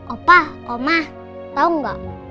opa oma tau nggak